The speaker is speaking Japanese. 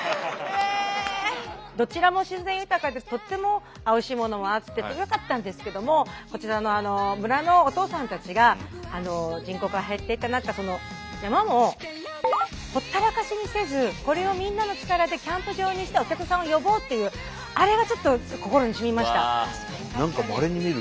どちらも自然豊かでとってもおいしいものもあってとてもよかったんですけどもこちらの村のおとうさんたちが人口が減っていった中山もほったらかしにせずこれをみんなの力でキャンプ場にしてお客さんを呼ぼうっていうあれがちょっと心にしみました。